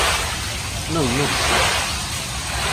Non, non, claro.